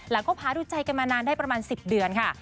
แล้วก็พาดูใจกันมานานได้ประมาณ๑๐เดือนค่ะ